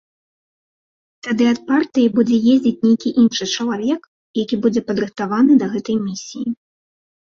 Тады ад партыі будзе ездзіць нейкі іншы чалавек, які будзе падрыхтаваны да гэтай місіі.